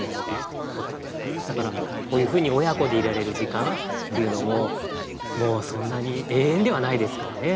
だからこういうふうに親子でいられる時間っていうのももうそんなに永遠ではないですからね。